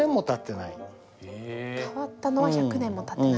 変わったのは１００年もたってない？